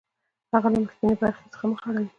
هغه له مخکینۍ برخې څخه مخ اړوي